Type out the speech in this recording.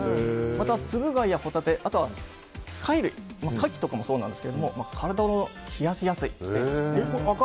また、ツブ貝やホタテあとは貝類カキとかもそうなんですけど体を冷やしやすい性質。